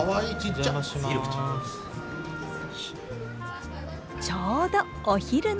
ちょうどお昼の時間。